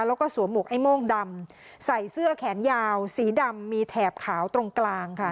แล้วก็สวมหวกไอ้โม่งดำใส่เสื้อแขนยาวสีดำมีแถบขาวตรงกลางค่ะ